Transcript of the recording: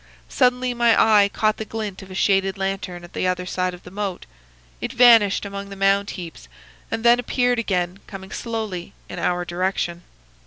"Suddenly my eye caught the glint of a shaded lantern at the other side of the moat. It vanished among the mound heaps, and then appeared again coming slowly in our direction.